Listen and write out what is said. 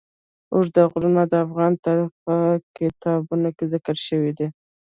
اوږده غرونه د افغان تاریخ په کتابونو کې ذکر شوی دي.